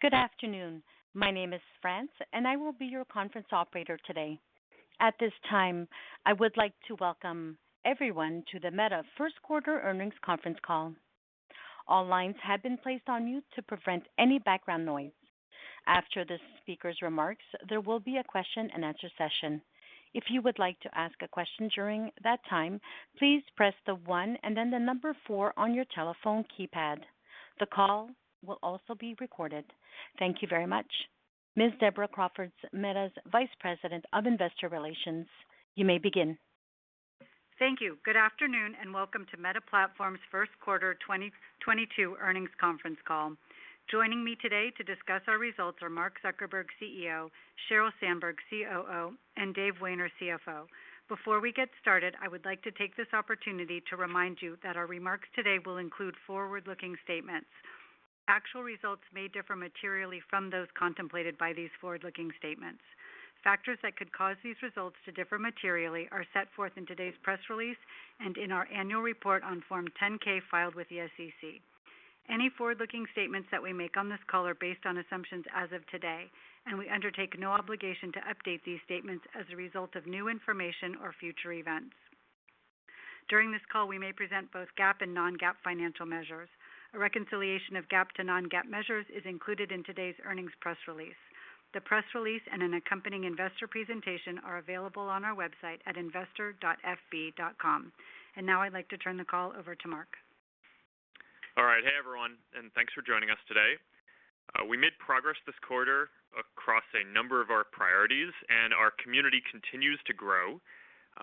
Good afternoon. My name is France, and I will be your conference operator today. At this time, I would like to welcome everyone to the Meta First Quarter Earnings Conference Call. All lines have been placed on mute to prevent any background noise. After the speaker's remarks, there will be a question-and-answer session. If you would like to ask a question during that time, please press the one and then the number four on your telephone keypad. The call will also be recorded. Thank you very much. Ms. Deborah Crawford, Meta's Vice President of Investor Relations, you may begin. Thank you. Good afternoon, and welcome to Meta Platforms' first quarter 2022 earnings conference call. Joining me today to discuss our results are Mark Zuckerberg, CEO, Sheryl Sandberg, COO, and Dave Wehner, CFO. Before we get started, I would like to take this opportunity to remind you that our remarks today will include forward-looking statements. Actual results may differ materially from those contemplated by these forward-looking statements. Factors that could cause these results to differ materially are set forth in today's press release and in our annual report on Form 10-K filed with the SEC. Any forward-looking statements that we make on this call are based on assumptions as of today, and we undertake no obligation to update these statements as a result of new information or future events. During this call, we may present both GAAP and non-GAAP financial measures. A reconciliation of GAAP to non-GAAP measures is included in today's earnings press release. The press release and an accompanying investor presentation are available on our website at investor.fb.com. Now I'd like to turn the call over to Mark. All right. Hey, everyone, and thanks for joining us today. We made progress this quarter across a number of our priorities, and our community continues to grow.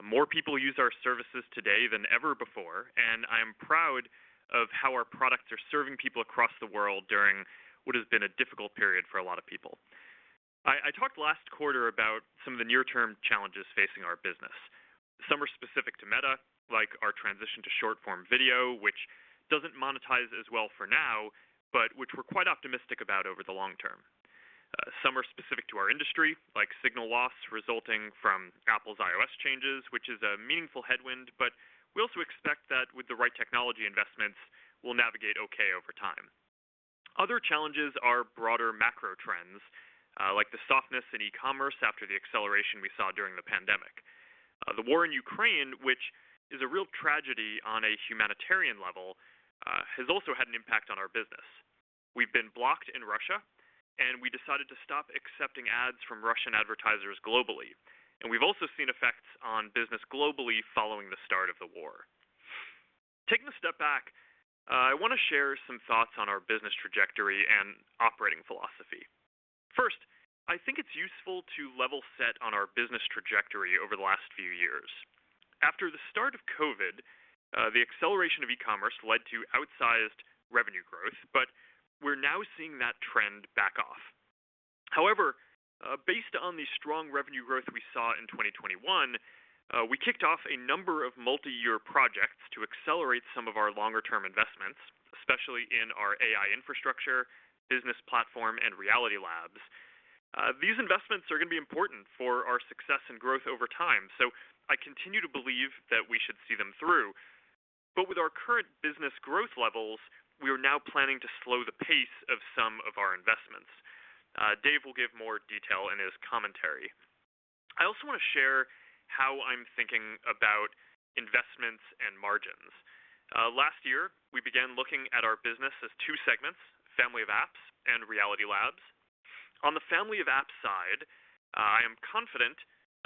More people use our services today than ever before, and I am proud of how our products are serving people across the world during what has been a difficult period for a lot of people. I talked last quarter about some of the near-term challenges facing our business. Some are specific to Meta, like our transition to short-form video, which doesn't monetize as well for now, but which we're quite optimistic about over the long term. Some are specific to our industry, like signal loss resulting from Apple's iOS changes, which is a meaningful headwind, but we also expect that with the right technology investments, we'll navigate okay over time. Other challenges are broader macro trends, like the softness in e-commerce after the acceleration we saw during the pandemic. The war in Ukraine, which is a real tragedy on a humanitarian level, has also had an impact on our business. We've been blocked in Russia, and we decided to stop accepting ads from Russian advertisers globally. We've also seen effects on business globally following the start of the war. Taking a step back, I wanna share some thoughts on our business trajectory and operating philosophy. First, I think it's useful to level set on our business trajectory over the last few years. After the start of COVID, the acceleration of e-commerce led to outsized revenue growth, but we're now seeing that trend back off. However, based on the strong revenue growth we saw in 2021, we kicked off a number of multi-year projects to accelerate some of our longer-term investments, especially in our AI infrastructure, business platform, and Reality Labs. These investments are gonna be important for our success and growth over time, so I continue to believe that we should see them through. But with our current business growth levels, we are now planning to slow the pace of some of our investments. Dave will give more detail in his commentary. I also wanna share how I'm thinking about investments and margins. Last year, we began looking at our business as two segments: Family of Apps and Reality Labs. On the Family of Apps side, I am confident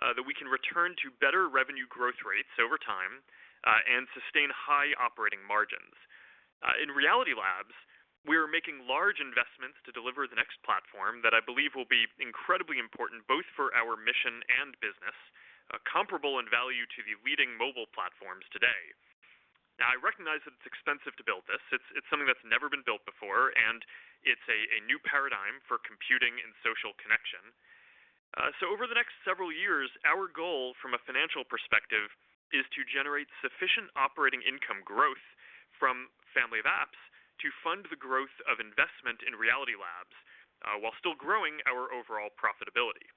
that we can return to better revenue growth rates over time, and sustain high operating margins. In Reality Labs, we are making large investments to deliver the next platform that I believe will be incredibly important both for our mission and business, comparable in value to the leading mobile platforms today. Now, I recognize that it's expensive to build this. It's something that's never been built before, and it's a new paradigm for computing and social connection. Over the next several years, our goal from a financial perspective is to generate sufficient operating income growth from Family of Apps to fund the growth of investment in Reality Labs, while still growing our overall profitability.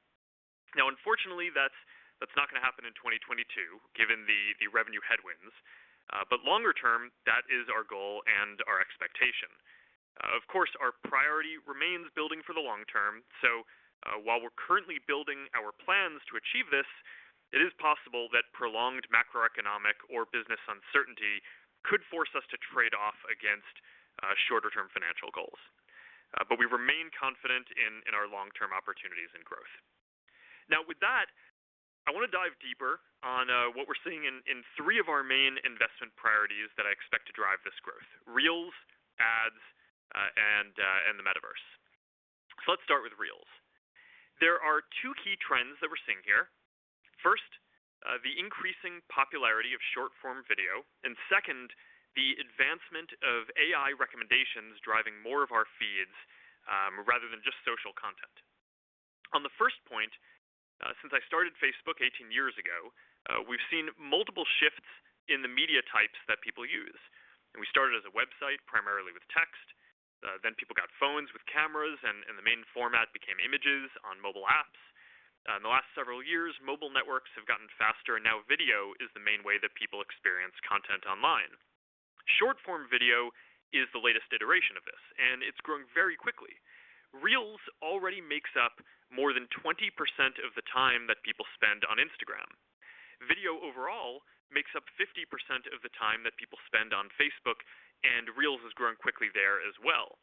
Now, unfortunately, that's not gonna happen in 2022, given the revenue headwinds. Longer term, that is our goal and our expectation. Of course, our priority remains building for the long term. While we're currently building our plans to achieve this, it is possible that prolonged macroeconomic or business uncertainty could force us to trade off against shorter-term financial goals. We remain confident in our long-term opportunities and growth. Now with that, I wanna dive deeper on what we're seeing in three of our main investment priorities that I expect to drive this growth, Reels, ads, and the metaverse. Let's start with Reels. There are two key trends that we're seeing here. First, the increasing popularity of short-form video, and second, the advancement of AI recommendations driving more of our feeds rather than just social content. On the first point, since I started Facebook 18 years ago, we've seen multiple shifts in the media types that people use. We started as a website, primarily with text. Then people got phones with cameras, and the main format became images on mobile apps. In the last several years, mobile networks have gotten faster, and now video is the main way that people experience content online. Short-form video is the latest iteration of this, and it's growing very quickly. Reels already makes up more than 20% of the time that people spend on Instagram. Video overall makes up 50% of the time that people spend on Facebook, and Reels is growing quickly there as well.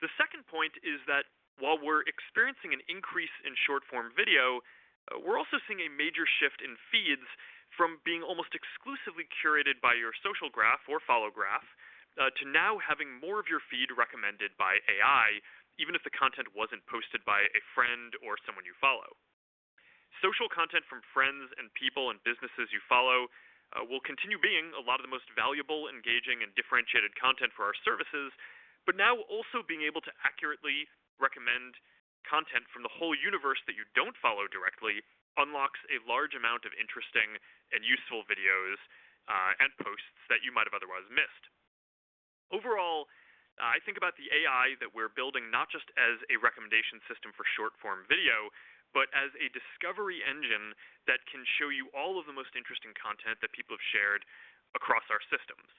The second point is that while we're experiencing an increase in short-form video, we're also seeing a major shift in feeds from being almost exclusively curated by your social graph or follow graph to now having more of your feed recommended by AI, even if the content wasn't posted by a friend or someone you follow. Social content from friends and people and businesses you follow will continue being a lot of the most valuable, engaging, and differentiated content for our services. Now also being able to accurately recommend content from the whole universe that you don't follow directly unlocks a large amount of interesting and useful videos, and posts that you might have otherwise missed. Overall, I think about the AI that we're building not just as a recommendation system for short-form video, but as a discovery engine that can show you all of the most interesting content that people have shared across our systems.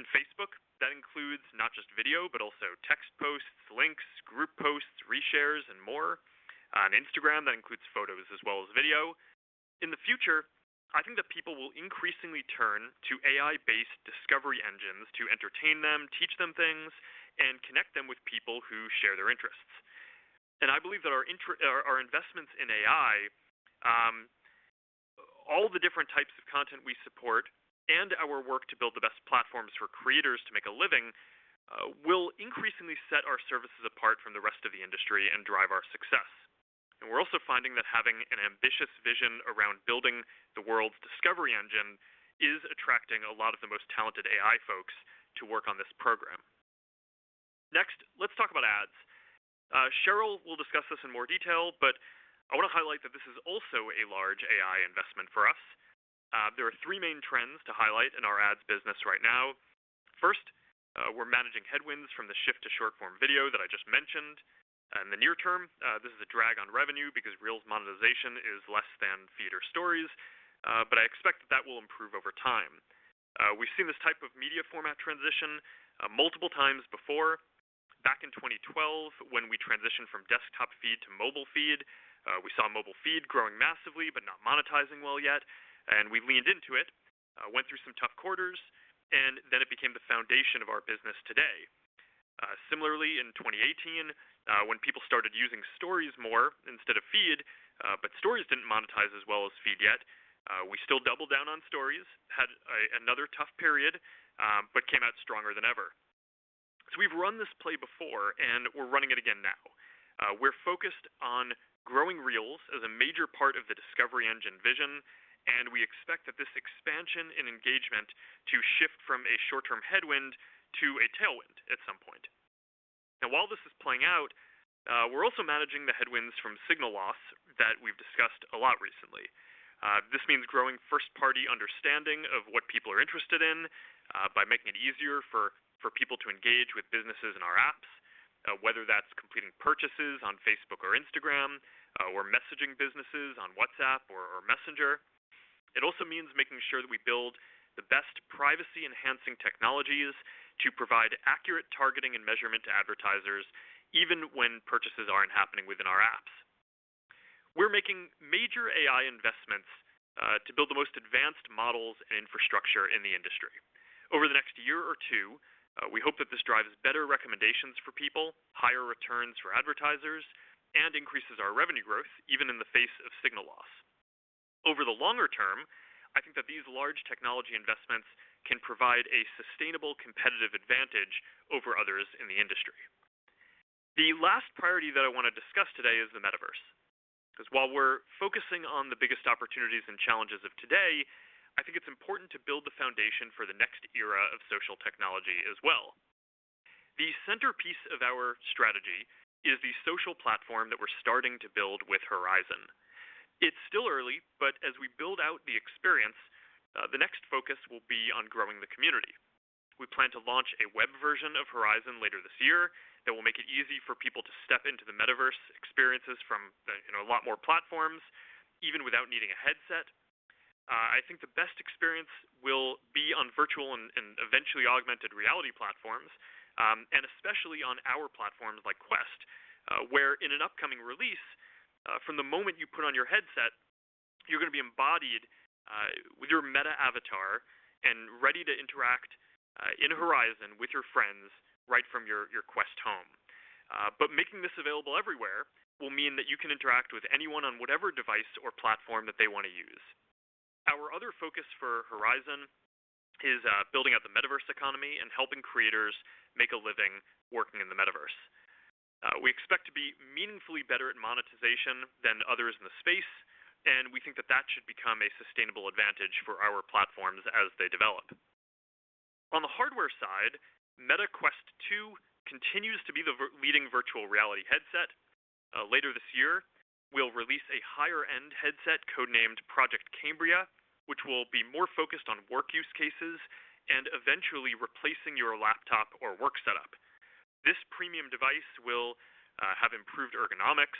In Facebook, that includes not just video, but also text posts, links, group posts, reshares, and more. On Instagram, that includes photos as well as video. In the future, I think that people will increasingly turn to AI-based discovery engines to entertain them, teach them things, and connect them with people who share their interests. I believe that our investments in AI, all the different types of content we support, and our work to build the best platforms for creators to make a living, will increasingly set our services apart from the rest of the industry and drive our success. We're also finding that having an ambitious vision around building the world's discovery engine is attracting a lot of the most talented AI folks to work on this program. Next, let's talk about ads. Sheryl will discuss this in more detail, but I want to highlight that this is also a large AI investment for us. There are three main trends to highlight in our ads business right now. First, we're managing headwinds from the shift to short-form video that I just mentioned. In the near term, this is a drag on revenue because Reels monetization is less than Feed or Stories, but I expect that will improve over time. We've seen this type of media format transition multiple times before. Back in 2012, when we transitioned from desktop feed to mobile feed, we saw mobile feed growing massively but not monetizing well yet, and we leaned into it, went through some tough quarters, and then it became the foundation of our business today. Similarly in 2018, when people started using Stories more instead of Feed, but Stories didn't monetize as well as Feed yet, we still doubled down on Stories, had another tough period, but came out stronger than ever. We've run this play before, and we're running it again now. We're focused on growing Reels as a major part of the discovery engine vision, and we expect that this expansion in engagement to shift from a short-term headwind to a tailwind at some point. Now, while this is playing out, we're also managing the headwinds from signal loss that we've discussed a lot recently. This means growing first-party understanding of what people are interested in, by making it easier for people to engage with businesses in our apps, whether that's completing purchases on Facebook or Instagram, or messaging businesses on WhatsApp or Messenger. It also means making sure that we build the best privacy-enhancing technologies to provide accurate targeting and measurement to advertisers even when purchases aren't happening within our apps. We're making major AI investments, to build the most advanced models and infrastructure in the industry. Over the next year or two, we hope that this drives better recommendations for people, higher returns for advertisers, and increases our revenue growth even in the face of signal loss. Over the longer term, I think that these large technology investments can provide a sustainable competitive advantage over others in the industry. The last priority that I want to discuss today is the metaverse, because while we're focusing on the biggest opportunities and challenges of today, I think it's important to build the foundation for the next era of social technology as well. The centerpiece of our strategy is the social platform that we're starting to build with Horizon. It's still early, but as we build out the experience, the next focus will be on growing the community. We plan to launch a web version of Horizon later this year that will make it easy for people to step into the metaverse experiences from, you know, a lot more platforms, even without needing a headset. I think the best experience will be on virtual and eventually augmented reality platforms, and especially on our platforms like Quest, where in an upcoming release, from the moment you put on your headset, you're going to be embodied, with your Meta avatar and ready to interact, in Horizon with your friends right from your Quest home. Making this available everywhere will mean that you can interact with anyone on whatever device or platform that they want to use. Our other focus for Horizon is building out the metaverse economy and helping creators make a living working in the metaverse. We expect to be meaningfully better at monetization than others in the space, and we think that should become a sustainable advantage for our platforms as they develop. On the hardware side, Meta Quest 2 continues to be the leading virtual reality headset. Later this year, we'll release a higher-end headset codenamed Project Cambria, which will be more focused on work use cases and eventually replacing your laptop or work setup. This premium device will have improved ergonomics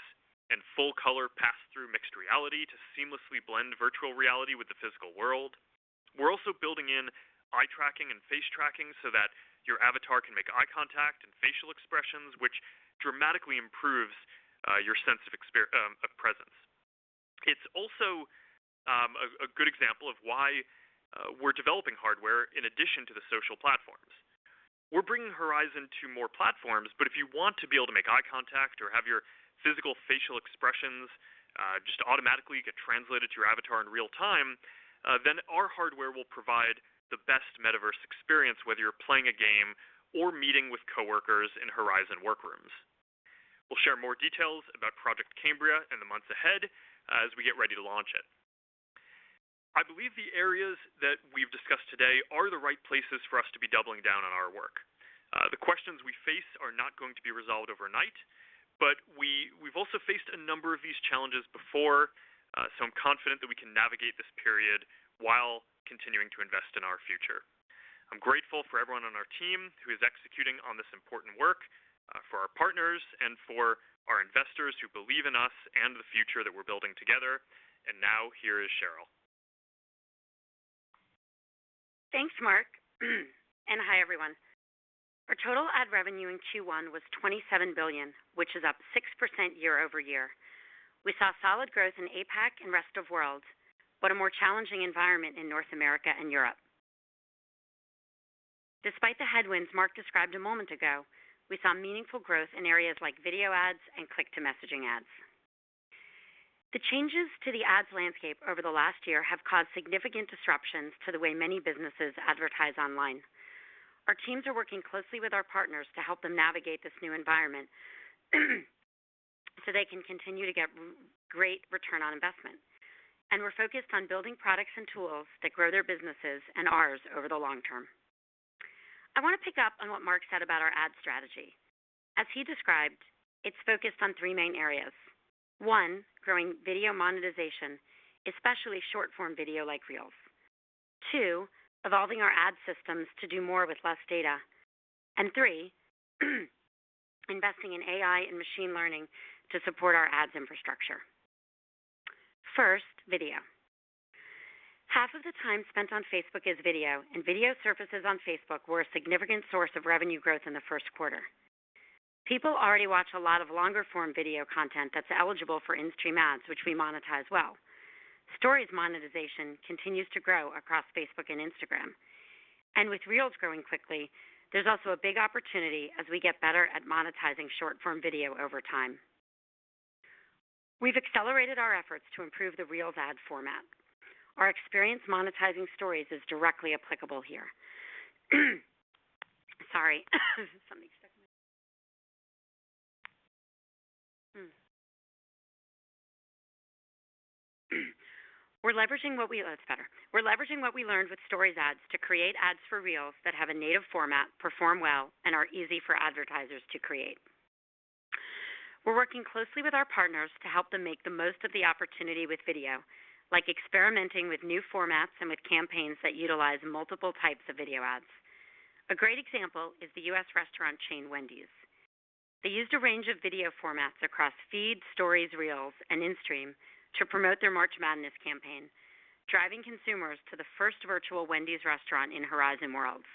and full-color pass-through mixed reality to seamlessly blend virtual reality with the physical world. We're also building in eye tracking and face tracking so that your avatar can make eye contact and facial expressions, which dramatically improves your sense of presence. It's also a good example of why we're developing hardware in addition to the social platforms. We're bringing Horizon to more platforms, but if you want to be able to make eye contact or have your physical facial expressions just automatically get translated to your avatar in real-time, then our hardware will provide the best metaverse experience, whether you're playing a game or meeting with coworkers in Horizon Workrooms. We'll share more details about Project Cambria in the months ahead as we get ready to launch it. I believe the areas that we've discussed today are the right places for us to be doubling down on our work. The questions we face are not going to be resolved overnight, but we've also faced a number of these challenges before, so I'm confident that we can navigate this period while continuing to invest in our future. I'm grateful for everyone on our team who is executing on this important work, for our partners and for our investors who believe in us and the future that we're building together. Now here is Sheryl. Thanks, Mark. Hi, everyone. Our total ad revenue in Q1 was $27 billion, which is up 6% year-over-year. We saw solid growth in APAC and rest of world, but a more challenging environment in North America and Europe. Despite the headwinds Mark described a moment ago, we saw meaningful growth in areas like video ads and click-to-messaging ads. The changes to the ads landscape over the last year have caused significant disruptions to the way many businesses advertise online. Our teams are working closely with our partners to help them navigate this new environment, so they can continue to get great return on investment, and we're focused on building products and tools that grow their businesses and ours over the long term. I want to pick up on what Mark said about our ad strategy. As he described, it's focused on three main areas. One, growing video monetization, especially short-form video like Reels. Two, evolving our ad systems to do more with less data. Three, investing in AI and machine learning to support our ads infrastructure. First, video. Half of the time spent on Facebook is video, and video surfaces on Facebook were a significant source of revenue growth in the first quarter. People already watch a lot of longer form video content that's eligible for in-stream ads, which we monetize well. Stories monetization continues to grow across Facebook and Instagram. With Reels growing quickly, there's also a big opportunity as we get better at monetizing short-form video over time. We've accelerated our efforts to improve the Reels ad format. Our experience monetizing Stories is directly applicable here. Sorry. Something stuck in my throat. That's better. We're leveraging what we learned with Stories ads to create ads for Reels that have a native format, perform well, and are easy for advertisers to create. We're working closely with our partners to help them make the most of the opportunity with video, like experimenting with new formats and with campaigns that utilize multiple types of video ads. A great example is the U.S. restaurant chain Wendy's. They used a range of video formats across feeds, Stories, Reels, and in-stream to promote their March Madness campaign, driving consumers to the first virtual Wendy's restaurant in Horizon Worlds.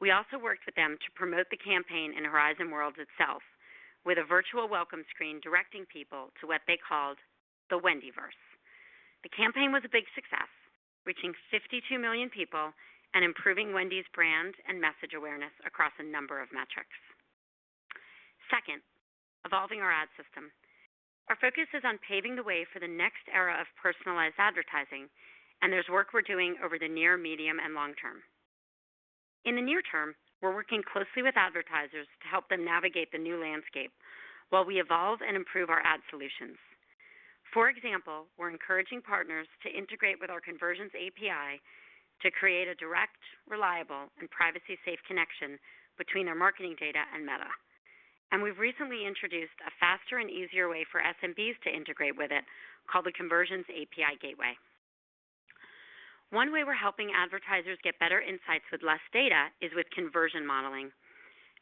We also worked with them to promote the campaign in Horizon Worlds itself with a virtual welcome screen directing people to what they called the Wendyverse. The campaign was a big success, reaching 52 million people and improving Wendy's brand and message awareness across a number of metrics. Second, evolving our ad system. Our focus is on paving the way for the next era of personalized advertising, and there's work we're doing over the near, medium, and long term. In the near term, we're working closely with advertisers to help them navigate the new landscape while we evolve and improve our ad solutions. For example, we're encouraging partners to integrate with our Conversions API to create a direct, reliable, and privacy-safe connection between their marketing data and Meta. We've recently introduced a faster and easier way for SMBs to integrate with it called the Conversions API Gateway. One way we're helping advertisers get better insights with less data is with conversion modeling.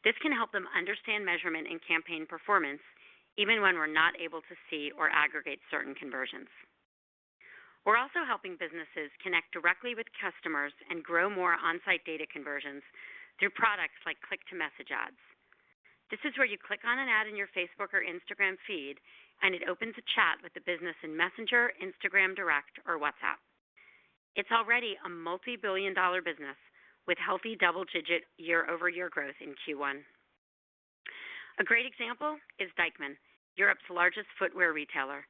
This can help them understand measurement and campaign performance even when we're not able to see or aggregate certain conversions. We're also helping businesses connect directly with customers and grow more on-site data conversions through products like Click-to-message ads. This is where you click on an ad in your Facebook or Instagram feed, and it opens a chat with the business in Messenger, Instagram Direct, or WhatsApp. It's already a multi-billion-dollar business with healthy double-digit year-over-year growth in Q1. A great example is Deichmann, Europe's largest footwear retailer.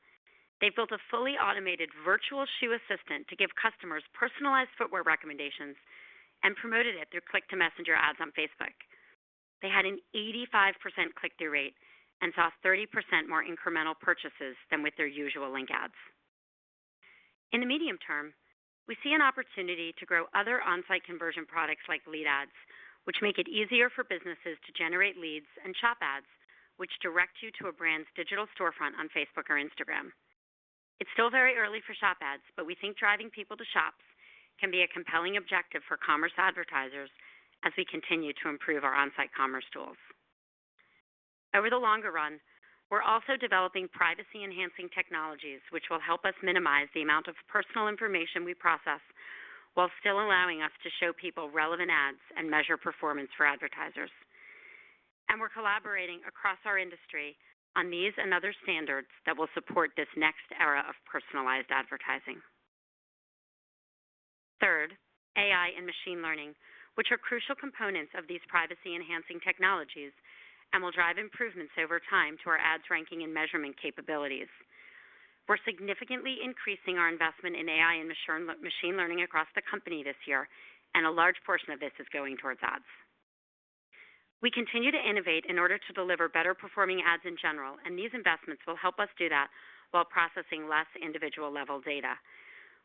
They've built a fully automated virtual shoe assistant to give customers personalized footwear recommendations and promoted it through Click-to-Messenger ads on Facebook. They had an 85% click-through rate and saw 30% more incremental purchases than with their usual link ads. In the medium term, we see an opportunity to grow other on-site conversion products like lead ads, which make it easier for businesses to generate leads and shop ads, which direct you to a brand's digital storefront on Facebook or Instagram. It's still very early for shop ads, but we think driving people to shops can be a compelling objective for commerce advertisers as we continue to improve our on-site commerce tools. Over the longer run, we're also developing privacy-enhancing technologies which will help us minimize the amount of personal information we process while still allowing us to show people relevant ads and measure performance for advertisers. We're collaborating across our industry on these and other standards that will support this next era of personalized advertising. Third, AI and machine learning, which are crucial components of these privacy-enhancing technologies and will drive improvements over time to our ads ranking and measurement capabilities. We're significantly increasing our investment in AI and machine learning across the company this year, and a large portion of this is going towards ads. We continue to innovate in order to deliver better-performing ads in general, and these investments will help us do that while processing less individual-level data.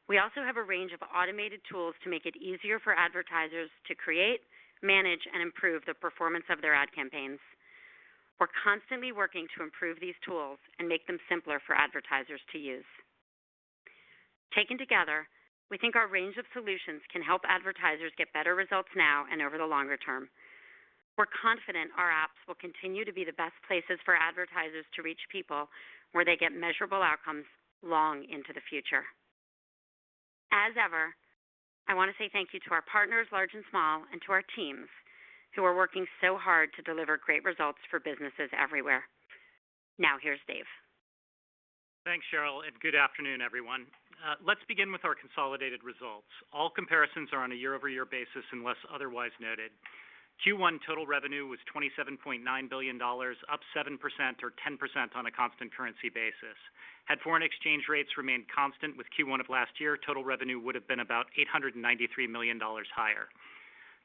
We also have a range of automated tools to make it easier for advertisers to create, manage, and improve the performance of their ad campaigns. We're constantly working to improve these tools and make them simpler for advertisers to use. Taken together, we think our range of solutions can help advertisers get better results now and over the longer term. We're confident our apps will continue to be the best places for advertisers to reach people where they get measurable outcomes long into the future. As ever, I want to say thank you to our partners, large and small, and to our teams who are working so hard to deliver great results for businesses everywhere. Now here's Dave. Thanks, Sheryl, and good afternoon, everyone. Let's begin with our consolidated results. All comparisons are on a year-over-year basis, unless otherwise noted. Q1 total revenue was $27.9 billion, up 7% or 10% on a constant currency basis. Had foreign exchange rates remained constant with Q1 of last year, total revenue would have been about $893 million higher.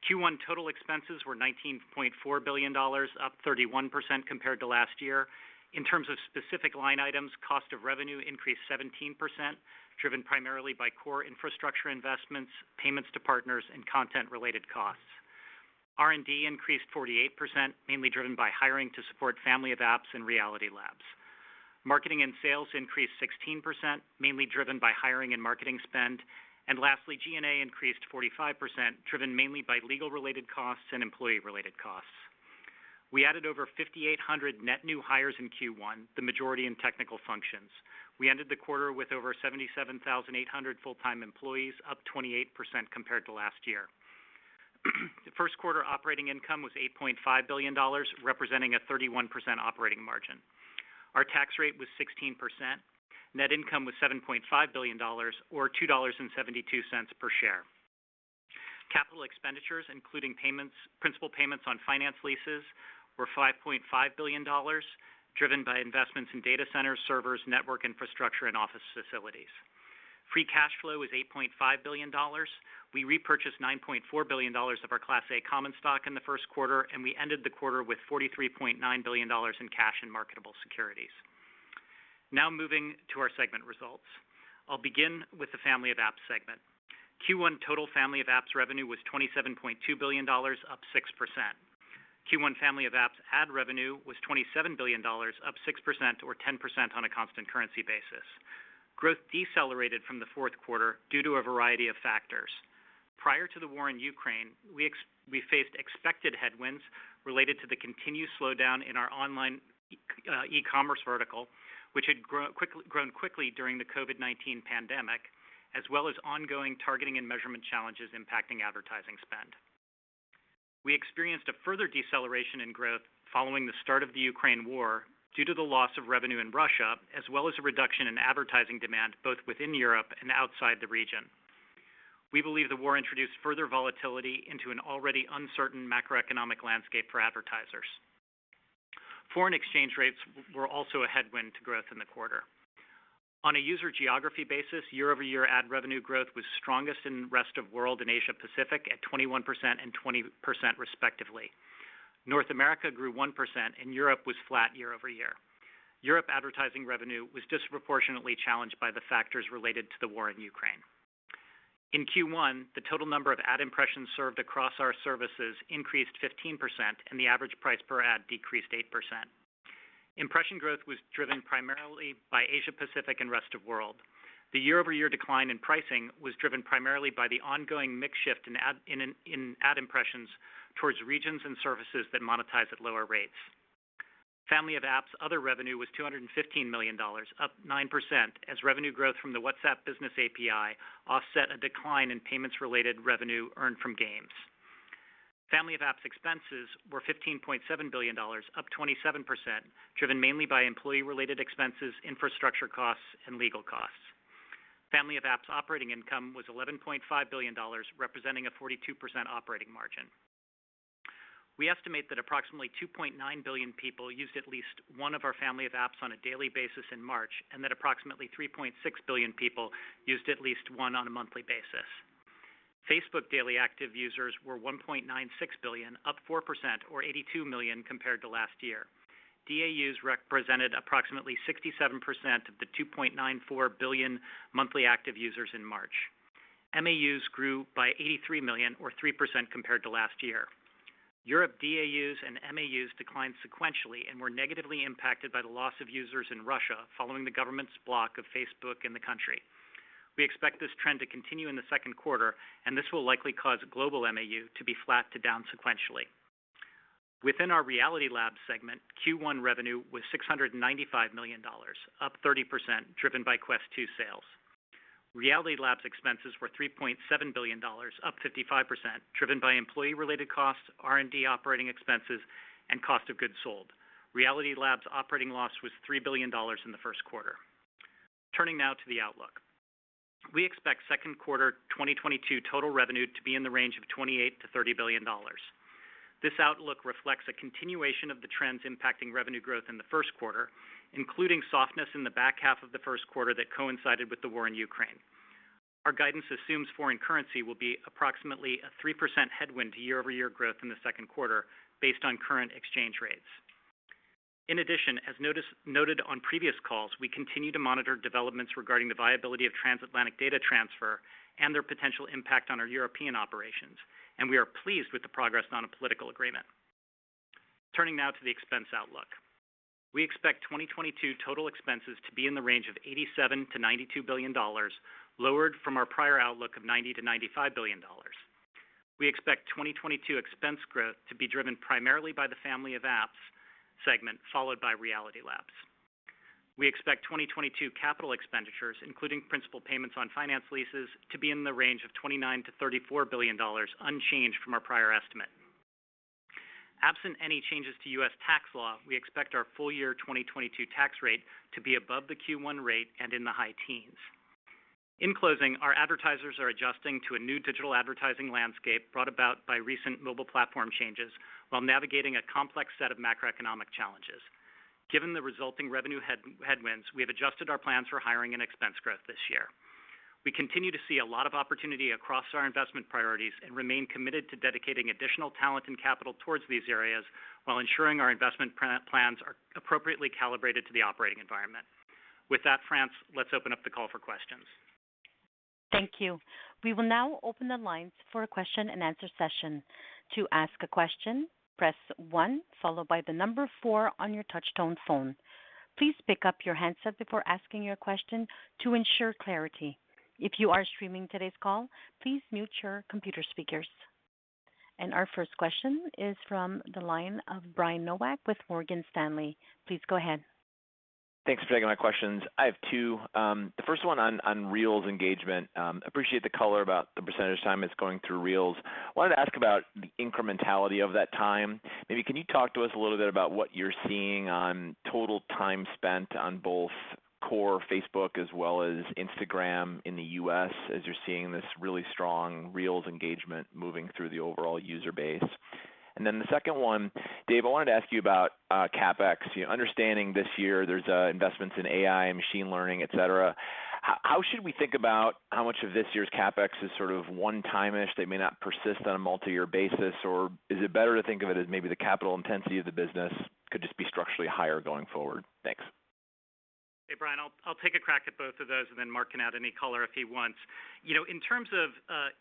Q1 total expenses were $19.4 billion, up 31% compared to last year. In terms of specific line items, cost of revenue increased 17%, driven primarily by core infrastructure investments, payments to partners, and content-related costs. R&D increased 48%, mainly driven by hiring to support family of apps and Reality Labs. Marketing and sales increased 16%, mainly driven by hiring and marketing spend. Lastly, G&A increased 45%, driven mainly by legal-related costs and employee-related costs. We added over 5,800 net new hires in Q1, the majority in technical functions. We ended the quarter with over 77,800 full-time employees, up 28% compared to last year. The first quarter operating income was $8.5 billion, representing a 31% operating margin. Our tax rate was 16%. Net income was $7.5 billion or $2.72 per share. Capital expenditures, including payments, principal payments on finance leases, were $5.5 billion, driven by investments in data centers, servers, network infrastructure, and office facilities. Free cash flow was $8.5 billion. We repurchased $9.4 billion of our Class A common stock in the first quarter, and we ended the quarter with $43.9 billion in cash and marketable securities. Now moving to our segment results. I'll begin with the family of apps segment. Q1 total family of apps revenue was $27.2 billion, up 6%. Q1 family of apps ad revenue was $27 billion, up 6% or 10% on a constant currency basis. Growth decelerated from the fourth quarter due to a variety of factors. Prior to the war in Ukraine, we faced expected headwinds related to the continued slowdown in our online e-commerce vertical, which had grown quickly during the COVID-19 pandemic, as well as ongoing targeting and measurement challenges impacting advertising spend. We experienced a further deceleration in growth following the start of the Ukraine war due to the loss of revenue in Russia, as well as a reduction in advertising demand both within Europe and outside the region. We believe the war introduced further volatility into an already uncertain macroeconomic landscape for advertisers. Foreign exchange rates were also a headwind to growth in the quarter. On a user geography basis, year-over-year ad revenue growth was strongest in Rest of World and Asia-Pacific at 21% and 20% respectively. North America grew 1% and Europe was flat year-over-year. Europe advertising revenue was disproportionately challenged by the factors related to the war in Ukraine. In Q1, the total number of ad impressions served across our services increased 15% and the average price per ad decreased 8%. Impression growth was driven primarily by Asia-Pacific and Rest of World. The year-over-year decline in pricing was driven primarily by the ongoing mix shift in ad impressions towards regions and services that monetize at lower rates. Family of apps other revenue was $215 million, up 9% as revenue growth from the WhatsApp Business API offset a decline in payments-related revenue earned from games. Family of apps expenses were $15.7 billion, up 27%, driven mainly by employee-related expenses, infrastructure costs, and legal costs. Family of apps operating income was $11.5 billion, representing a 42% operating margin. We estimate that approximately 2.9 billion people used at least one of our family of apps on a daily basis in March, and that approximately 3.6 billion people used at least one on a monthly basis. Facebook daily active users were 1.96 billion, up 4% or 82 million compared to last year. DAUs represented approximately 67% of the 2.94 billion monthly active users in March. MAUs grew by 83 million or 3% compared to last year. Europe DAUs and MAUs declined sequentially and were negatively impacted by the loss of users in Russia following the government's block of Facebook in the country. We expect this trend to continue in the second quarter, and this will likely cause global MAUs to be flat to down sequentially. Within our Reality Labs segment, Q1 revenue was $695 million, up 30%, driven by Quest 2 sales. Reality Labs expenses were $3.7 billion, up 55%, driven by employee-related costs, R&D operating expenses, and cost of goods sold. Reality Labs operating loss was $3 billion in the first quarter. Turning now to the outlook. We expect second quarter 2022 total revenue to be in the range of $28 billion-$30 billion. This outlook reflects a continuation of the trends impacting revenue growth in the first quarter, including softness in the back half of the first quarter that coincided with the war in Ukraine. Our guidance assumes foreign currency will be approximately a 3% headwind to year-over-year growth in the second quarter based on current exchange rates. In addition, as noted on previous calls, we continue to monitor developments regarding the viability of transatlantic data transfer and their potential impact on our European operations, and we are pleased with the progress on a political agreement. Turning now to the expense outlook. We expect 2022 total expenses to be in the range of $87 billion-$92 billion, lowered from our prior outlook of $90 billion-$95 billion. We expect 2022 expense growth to be driven primarily by the family of apps segment, followed by Reality Labs. We expect 2022 capital expenditures, including principal payments on finance leases, to be in the range of $29 billion-$34 billion, unchanged from our prior estimate. Absent any changes to U.S. tax law, we expect our full year 2022 tax rate to be above the Q1 rate and in the high teens. In closing, our advertisers are adjusting to a new digital advertising landscape brought about by recent mobile platform changes while navigating a complex set of macroeconomic challenges. Given the resulting revenue headwinds, we have adjusted our plans for hiring and expense growth this year. We continue to see a lot of opportunity across our investment priorities and remain committed to dedicating additional talent and capital towards these areas while ensuring our investment plans are appropriately calibrated to the operating environment. With that, France, let's open up the call for questions. Thank you. We will now open the lines for a question-and-answer session. To ask a question, press one followed by the number four on your touch tone phone. Please pick up your handset before asking your question to ensure clarity. If you are streaming today's call, please mute your computer speakers. Our first question is from the line of Brian Nowak with Morgan Stanley. Please go ahead. Thanks for taking my questions. I have two. The first one on Reels engagement. Appreciate the color about the percentage of time it's going through Reels. Wanted to ask about the incrementality of that time. Maybe can you talk to us a little bit about what you're seeing on total time spent on both core Facebook as well as Instagram in the U.S. as you're seeing this really strong Reels engagement moving through the overall user base? The second one, Dave, I wanted to ask you about CapEx. Understanding this year there's investments in AI and machine learning, et cetera. How should we think about how much of this year's CapEx is sort of one-time-ish. They may not persist on a multi-year basis? Is it better to think of it as maybe the capital intensity of the business could just be structurally higher going forward? Thanks. Hey, Brian. I'll take a crack At both of those and then Mark can add any color if he wants. You know, in terms of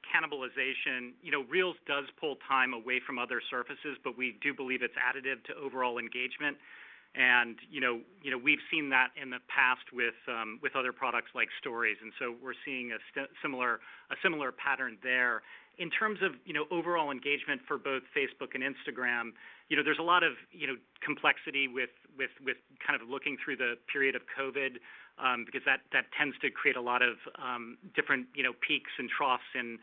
cannibalization, you know, Reels does pull time away from other surfaces, but we do believe it's additive to overall engagement. You know, we've seen that in the past with other products like Stories. We're seeing a similar pattern there. In terms of overall engagement for both Facebook and Instagram, you know, there's a lot of complexity with kind of looking through the period of COVID because that tends to create a lot of different peaks and troughs in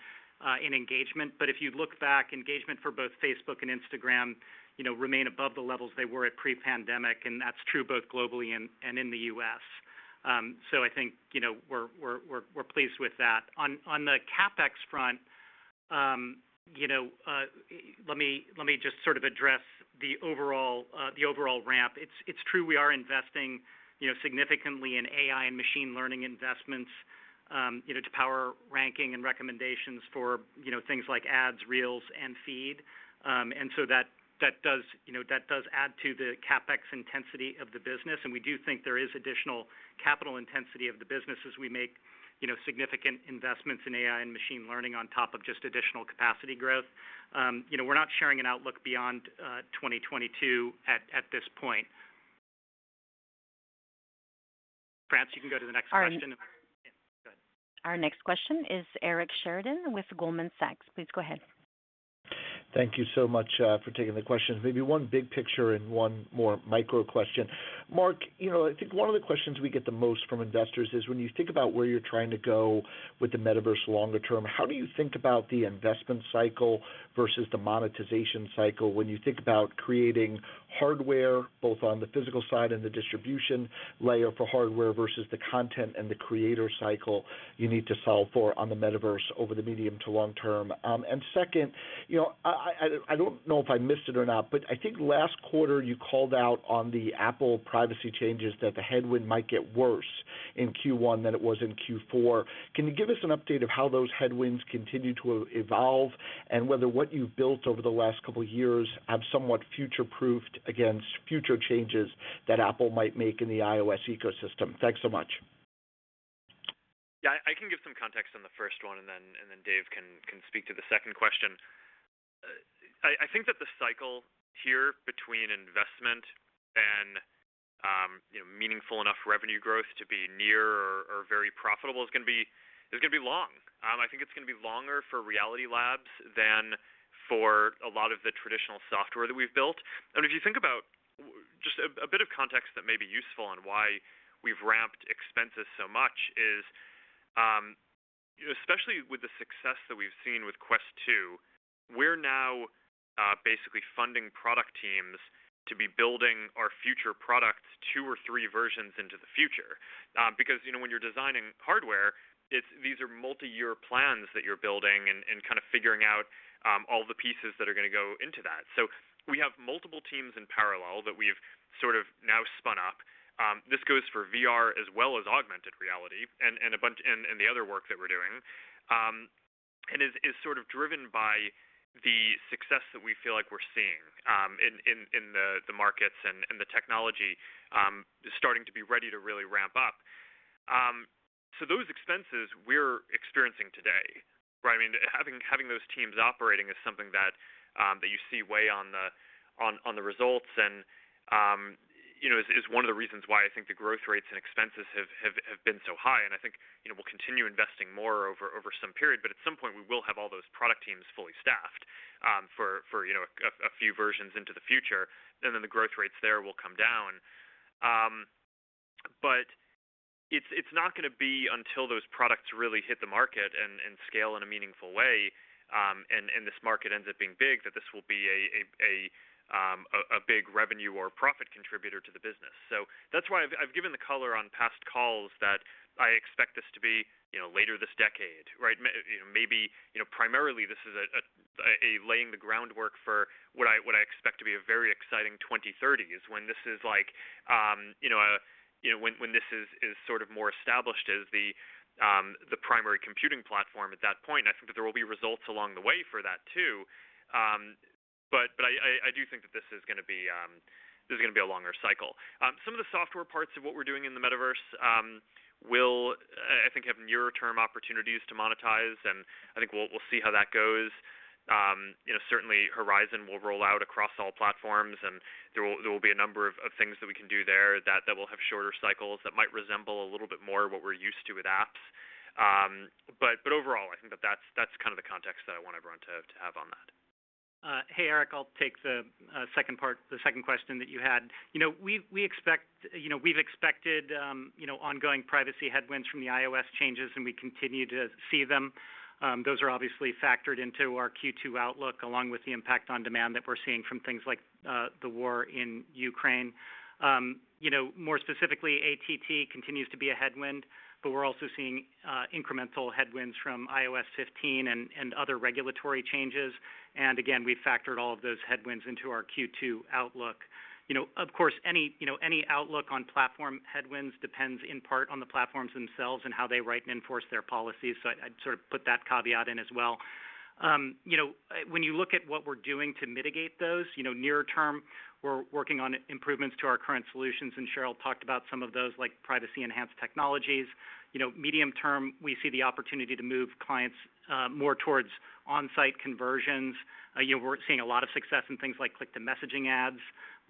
engagement. If you look back, engagement for both Facebook and Instagram, you know, remain above the levels they were at pre-pandemic, and that's true both globally and in the U.S. So I think, you know, we're pleased with that. On the CapEx front, you know, let me just sort of address the overall ramp. It's true we are investing, you know, significantly in AI and machine learning investments, you know, to power ranking and recommendations for, you know, things like ads, Reels, and Feed. And so that does, you know, add to the CapEx intensity of the business, and we do think there is additional capital intensity of the business as we make, you know, significant investments in AI and machine learning on top of just additional capacity growth. You know, we're not sharing an outlook beyond 2022 at this point. France, you can go to the next question. All right. Yeah. Go ahead. Our next question is Eric Sheridan with Goldman Sachs. Please go ahead. Thank you so much for taking the questions. Maybe one big picture and one more micro question. Mark, you know, I think one of the questions we get the most from investors is when you think about where you're trying to go with the metaverse longer term, how do you think about the investment cycle versus the monetization cycle when you think about creating hardware, both on the physical side and the distribution layer for hardware versus the content and the creator cycle you need to solve for on the metaverse over the medium to long term? And second, you know, I don't know if I missed it or not, but I think last quarter you called out on the Apple privacy changes that the headwind might get worse in Q1 than it was in Q4. Can you give us an update of how those headwinds continue to evolve and whether what you've built over the last couple of years have somewhat future-proofed against future changes that Apple might make in the iOS ecosystem? Thanks so much. Yeah, I can give some context on the first one, and then Dave can speak to the second question. I think that the cycle here between investment and meaningful enough revenue growth to be near or very profitable is gonna be long. I think it's gonna be longer for Reality Labs than for a lot of the traditional software that we've built. If you think about just a bit of context that may be useful on why we've ramped expenses so much is, especially with the success that we've seen with Quest 2, we're now basically funding product teams to be building our future products two or three versions into the future. Because, you know, when you're designing hardware, these are multi-year plans that you're building and kind of figuring out all the pieces that are gonna go into that. We have multiple teams in parallel that we've sort of now spun up. This goes for VR as well as augmented reality and the other work that we're doing. It is sort of driven by the success that we feel like we're seeing in the markets and the technology starting to be ready to really ramp up. Those expenses we're experiencing today, right? I mean, having those teams operating is something that you see weigh on the results and, you know, is one of the reasons why I think the growth rates and expenses have been so high. I think, you know, we'll continue investing more over some period, but at some point, we will have all those product teams fully staffed, for, you know, a few versions into the future. The growth rates there will come down. It's not gonna be until those products really hit the market and scale in a meaningful way, and this market ends up being big that this will be a big revenue or profit contributor to the business. That's why I've given the color on past calls that I expect this to be, you know, later this decade, right? Maybe, you know, primarily this is a laying the groundwork for what I expect to be a very exciting 2030 is when this is like, you know, when this is sort of more established as the primary computing platform at that point. I think that there will be results along the way for that too. But I do think that this is gonna be a longer cycle. Some of the software parts of what we're doing in the metaverse will, I think have nearer term opportunities to monetize, and I think we'll see how that goes. You know, certainly Horizon will roll out across all platforms, and there will be a number of things that we can do there that will have shorter cycles that might resemble a little bit more what we're used to with apps. But overall, I think that's kind of the context that I want everyone to have on that. Hey, Eric, I'll take the second part, the second question that you had. You know, we expect, you know, we've expected ongoing privacy headwinds from the iOS changes, and we continue to see them. Those are obviously factored into our Q2 outlook, along with the impact on demand that we're seeing from things like the war in Ukraine. You know, more specifically, ATT continues to be a headwind, but we're also seeing incremental headwinds from iOS 15 and other regulatory changes. Again, we factored all of those headwinds into our Q2 outlook. You know, of course, any outlook on platform headwinds depends in part on the platforms themselves and how they write and enforce their policies. I'd sort of put that caveat in as well. You know, when you look at what we're doing to mitigate those, you know, near term, we're working on improvements to our current solutions, and Sheryl talked about some of those, like privacy-enhancing technologies. You know, medium term, we see the opportunity to move clients more towards on-site conversions. You know, we're seeing a lot of success in things like click-to-messaging ads,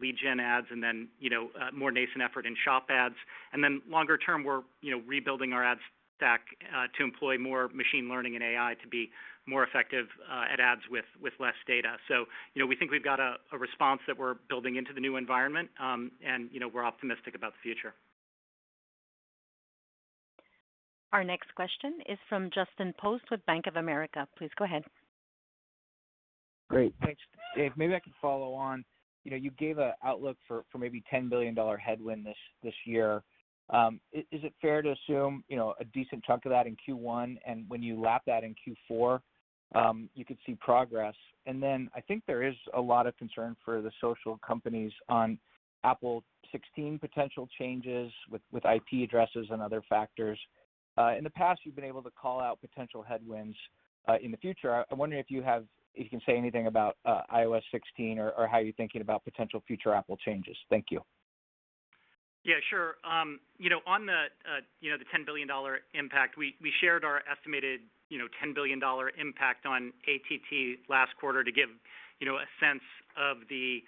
lead gen ads, and then, you know, more nascent effort in shop ads. Longer term, we're, you know, rebuilding our ads stack to employ more machine learning and AI to be more effective at ads with less data. You know, we think we've got a response that we're building into the new environment, and, you know, we're optimistic about the future. Our next question is from Justin Post with Bank of America. Please go ahead. Great. Thanks. Dave, maybe I can follow on, you know, you gave an outlook for maybe $10 billion headwind this year. Is it fair to assume, you know, a decent chunk of that in Q1, and when you lap that in Q4, you could see progress? I think there is a lot of concern for the social companies on iOS 16 potential changes with IP addresses and other factors. In the past, you've been able to call out potential headwinds in the future. I'm wondering if you can say anything about iOS 16 or how you're thinking about potential future Apple changes. Thank you. Yeah, sure. You know, on the $10 billion impact, we shared our estimated $10 billion impact on ATT last quarter to give you know, a sense of the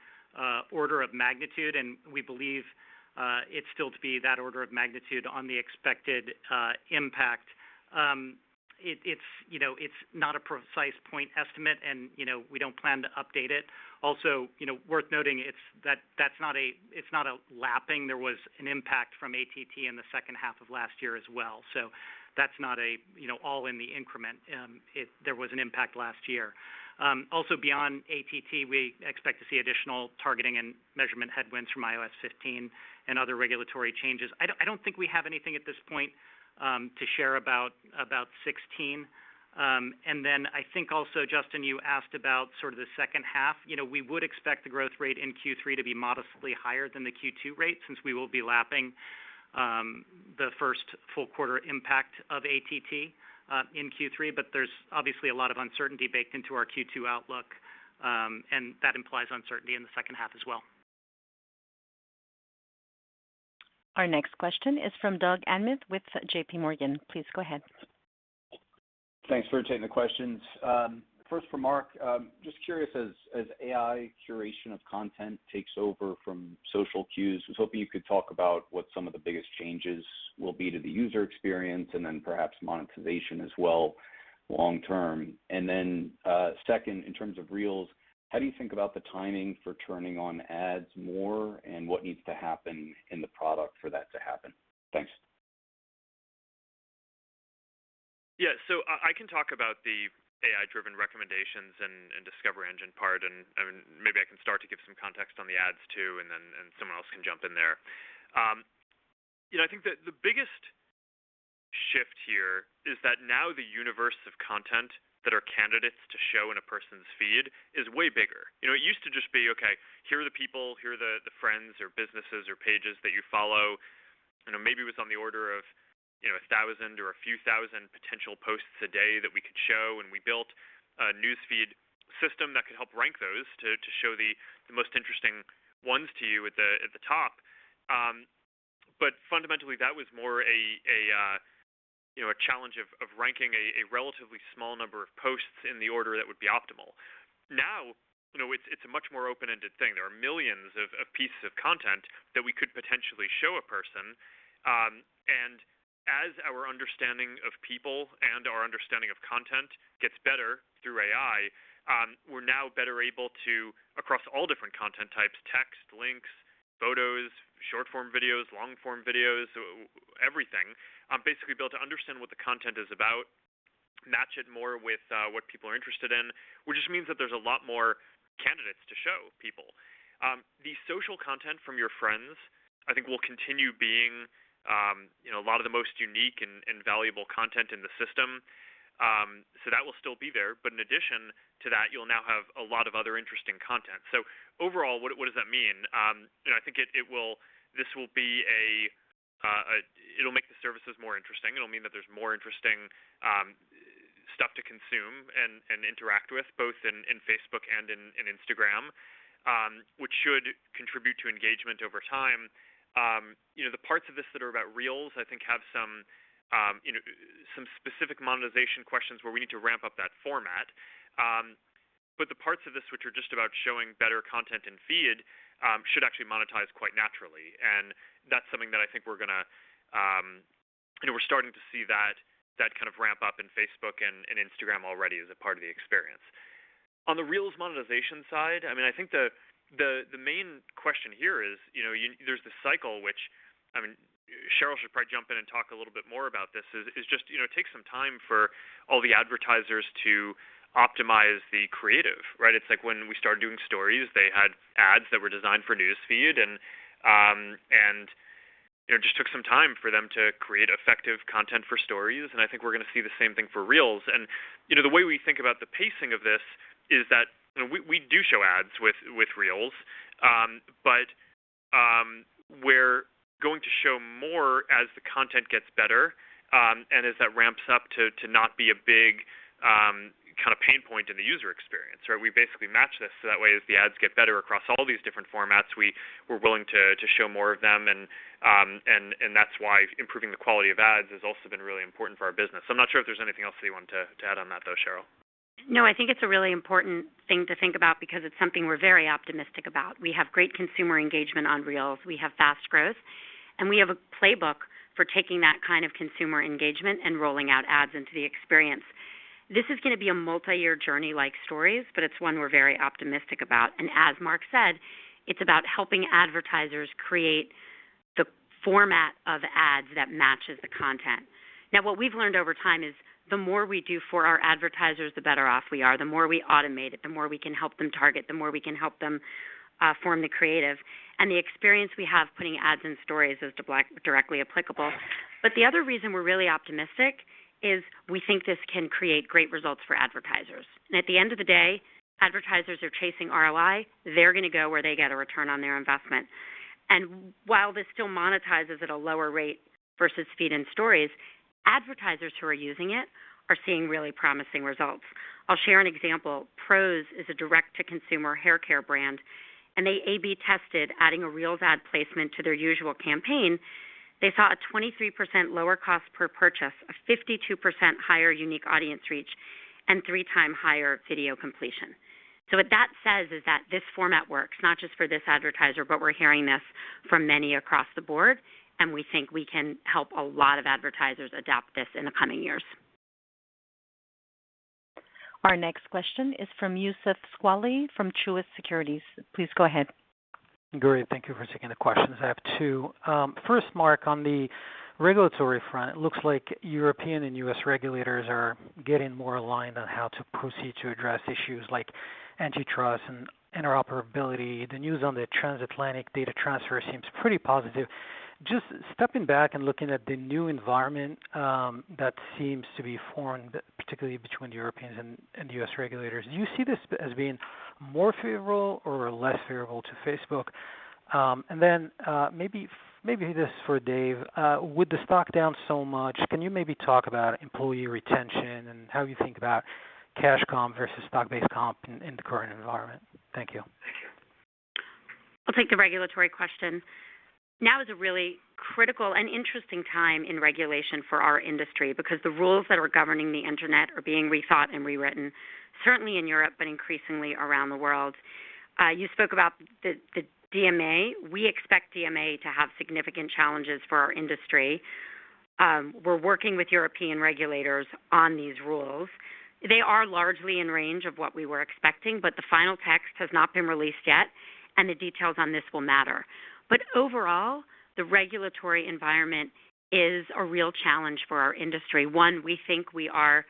order of magnitude, and we believe it still to be that order of magnitude on the expected impact. It's you know, not a precise point estimate and you know, we don't plan to update it. Also, you know, worth noting it's not a lapping. There was an impact from ATT in the second half of last year as well. That's not all in the increment. There was an impact last year. Also, beyond ATT, we expect to see additional targeting and measurement headwinds from iOS 15 and other regulatory changes. I don't think we have anything at this point to share about iOS 16. I think also, Justin, you asked about sort of the second half. You know, we would expect the growth rate in Q3 to be modestly higher than the Q2 rate since we will be lapping the first full quarter impact of ATT in Q3. There's obviously a lot of uncertainty baked into our Q2 outlook, and that implies uncertainty in the second half as well. Our next question is from Doug Anmuth with JPMorgan. Please go ahead. Thanks for taking the questions. First for Mark, just curious as AI curation of content takes over from social cues, I was hoping you could talk about what some of the biggest changes will be to the user experience and then perhaps monetization as well long term. Second, in terms of Reels, how do you think about the timing for turning on ads more, and what needs to happen in the product for that to happen? Thanks. Yeah. I can talk about the AI-driven recommendations and discover engine part and, I mean, maybe I can start to give some context on the ads too, and then someone else can jump in there. You know, I think that the biggest shift here is that now the universe of content that are candidates to show in a person's feed is way bigger. You know, it used to just be, okay, here are the people, here are the friends or businesses or pages that you follow. You know, maybe it was on the order of, you know, 1,000 or a few thousand potential posts a day that we could show, and we built a News Feed system that could help rank those to show the most interesting ones to you at the top. Fundamentally, that was more a you know, a challenge of ranking a relatively small number of posts in the order that would be optimal. Now, you know, it's a much more open-ended thing. There are millions of pieces of content that we could potentially show a person. As our understanding of people and our understanding of content gets better through AI, we're now better able to, across all different content types, text, links, photos, short-form videos, long-form videos, everything, basically built to understand what the content is about, match it more with what people are interested in, which just means that there's a lot more candidates to show people. The social content from your friends, I think will continue being you know, a lot of the most unique and valuable content in the system. That will still be there. In addition to that, you'll now have a lot of other interesting content. Overall, what does that mean? You know, I think this will be a, it'll make the services more interesting. It'll mean that there's more interesting stuff to consume and interact with both in Facebook and in Instagram, which should contribute to engagement over time. You know, the parts of this that are about Reels, I think, have some, you know, some specific monetization questions where we need to ramp up that format. The parts of this which are just about showing better content in feed should actually monetize quite naturally. That's something that I think we're gonna. You know, we're starting to see that kind of ramp up in Facebook and Instagram already as a part of the experience. On the Reels monetization side, I mean, I think the main question here is, you know, there's this cycle which, I mean, Sheryl should probably jump in and talk a little bit more about this, is just, you know, it takes some time for all the advertisers to optimize the creative, right? It's like when we started doing Stories, they had ads that were designed for News Feed and, you know, just took some time for them to create effective content for Stories, and I think we're gonna see the same thing for Reels. You know, the way we think about the pacing of this is that, you know, we do show ads with Reels, but we're going to show more as the content gets better, and as that ramps up to not be a big kind of pain point in the user experience. We basically match this, so that way as the ads get better across all these different formats, we're willing to show more of them and that's why improving the quality of ads has also been really important for our business. I'm not sure if there's anything else that you wanted to add on that though, Sheryl. No, I think it's a really important thing to think about because it's something we're very optimistic about. We have great consumer engagement on Reels. We have fast growth, and we have a playbook for taking that kind of consumer engagement and rolling out ads into the experience. This is gonna be a multi-year journey like Stories, but it's one we're very optimistic about. And as Mark said, it's about helping advertisers create the format of ads that matches the content. Now, what we've learned over time is the more we do for our advertisers, the better off we are. The more we automate it, the more we can help them target, the more we can help them form the creative. The experience we have putting ads in Stories is directly applicable. The other reason we're really optimistic is we think this can create great results for advertisers. At the end of the day, advertisers are chasing ROI. They're gonna go where they get a return on their investment. While this still monetizes at a lower rate versus Feed and Stories, advertisers who are using it are seeing really promising results. I'll share an example. Prose is a direct-to-consumer haircare brand, and they A/B tested adding a Reels ad placement to their usual campaign. They saw a 23% lower cost per purchase, a 52% higher unique audience reach, and 3x higher video completion. What that says is that this format works not just for this advertiser, but we're hearing this from many across the board, and we think we can help a lot of advertisers adopt this in the coming years. Our next question is from Youssef Squali from Truist Securities. Please go ahead. Great. Thank you for taking the questions. I have two. First, Mark, on the regulatory front, it looks like European and U.S. regulators are getting more aligned on how to proceed to address issues like antitrust and interoperability. The news on the transatlantic data transfer seems pretty positive. Just stepping back and looking at the new environment that seems to be formed, particularly between Europeans and U.S. regulators, do you see this as being more favorable or less favorable to Facebook? Maybe this is for Dave. With the stock down so much, can you maybe talk about employee retention and how you think about cash comp versus stock-based comp in the current environment. Thank you. I'll take the regulatory question. Now is a really critical and interesting time in regulation for our industry because the rules that are governing the Internet are being rethought and rewritten, certainly in Europe, but increasingly around the world. You spoke about the DMA. We expect DMA to have significant challenges for our industry. We're working with European regulators on these rules. They are largely in range of what we were expecting, but the final text has not been released yet, and the details on this will matter. Overall, the regulatory environment is a real challenge for our industry. One, we think we are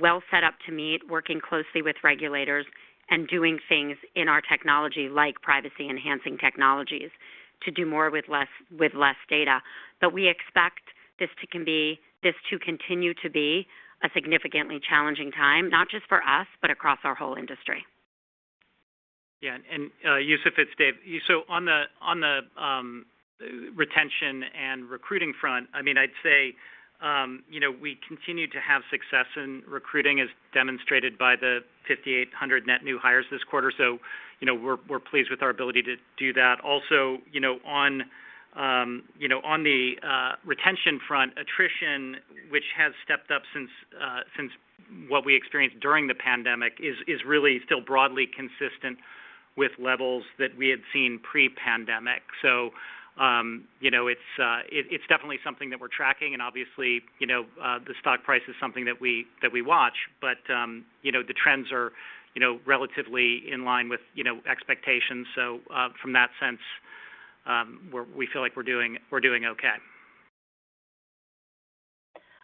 well set up to meet, working closely with regulators and doing things in our technology like privacy-enhancing technologies to do more with less data. We expect this to continue to be a significantly challenging time, not just for us, but across our whole industry. Youssef, it's Dave. On the retention and recruiting front, I mean, I'd say, you know, we continue to have success in recruiting as demonstrated by the 5,800 net new hires this quarter. You know, we're pleased with our ability to do that. You know, on the retention front, attrition, which has stepped up since what we experienced during the pandemic, is really still broadly consistent with levels that we had seen pre-pandemic. You know, it's definitely something that we're tracking. Obviously, you know, the stock price is something that we watch. You know, the trends are, you know, relatively in line with, you know, expectations. From that sense, we feel like we're doing okay.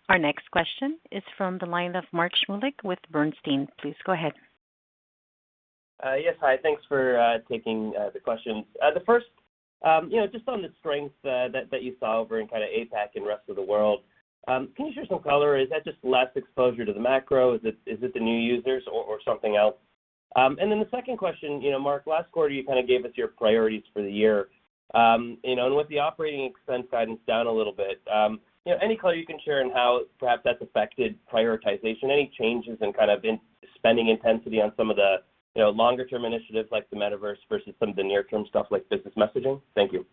Our next question is from the line of Mark Shmulik with Bernstein. Please go ahead. Yes, hi. Thanks for taking the questions. The first, you know, just on the strength that you saw over in kind of APAC and rest of the world, can you share some color? Is that just less exposure to the macro? Is it the new users or something else? The second question, you know, Mark, last quarter, you kind of gave us your priorities for the year. You know, with the operating expense guidance down a little bit, you know, any color you can share on how perhaps that's affected prioritization? Any changes in kind of spending intensity on some of the, you know, longer term initiatives like the metaverse versus some of the near term stuff like business messaging? Thank you.